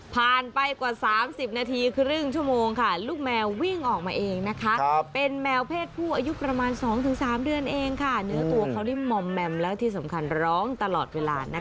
ผ่านไปกว่า๓๐นาทีครึ่งชั่วโมงค่ะลูกแมววิ่งออกมาเองนะคะเป็นแมวเพศผู้อายุประมาณ๒๓เดือนเองค่ะเนื้อตัวเขานี่มอมแมมแล้วที่สำคัญร้องตลอดเวลานะคะ